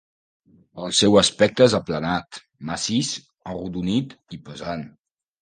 El seu aspecte és aplanat, massís, arrodonit i pesant.